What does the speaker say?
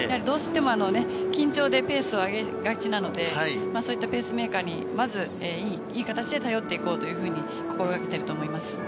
どうしても緊張でペースを上げがちなのでそういったペースメーカーにまずいい形で頼っていこうと心がけてると思います。